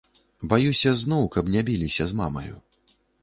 Баюся, зноў каб не біліся з мамаю.